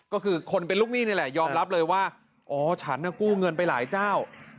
ก็คือคนเป็นลูกหนี้นี่แหละยอมรับเลยว่าอ๋อฉันน่ะกู้เงินไปหลายเจ้า